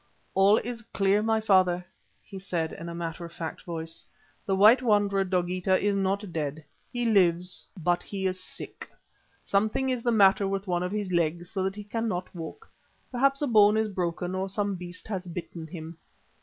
"All is clear, my father," he said in a matter of fact voice. "The white wanderer, Dogeetah, is not dead. He lives, but he is sick. Something is the matter with one of his legs so that he cannot walk. Perhaps a bone is broken or some beast has bitten him.